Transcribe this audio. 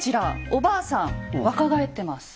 おばあさん若返ってます。